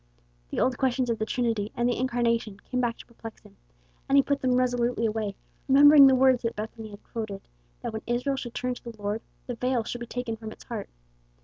The old questions of the Trinity and the Incarnation came back to perplex him, and he put them resolutely away, remembering the words that Bethany had quoted, that when Israel should turn to the Lord, the veil should be taken from its heart.